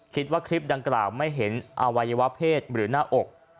คลิปดังกล่าวไม่เห็นอวัยวะเพศหรือหน้าอก